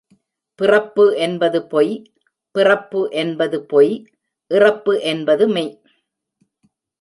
பிறப்பு என்பது பொய் பிறப்பு என்பது பொய் இறப்பு என்பது மெய்.